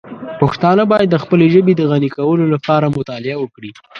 پښتانه باید د خپلې ژبې د غني کولو لپاره مطالعه وکړي.